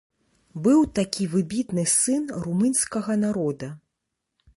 Быў такі выбітны сын румынскага народа.